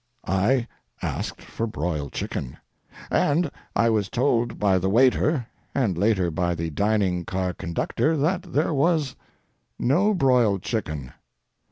I asked for broiled chicken, and I was told by the waiter and later by the dining car conductor that there was no broiled chicken.